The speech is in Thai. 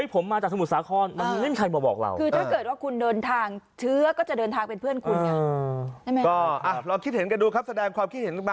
ผมมาจากสมุทรสาข้อน